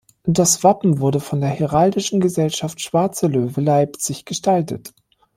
Das Wappen wurde von der Heraldischen Gesellschaft "Schwarzer Löwe" Leipzig gestaltet.